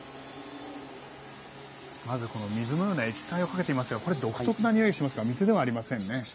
まず水のような液体をかけていますがこれは独特なにおいがしますが水ではありませんね。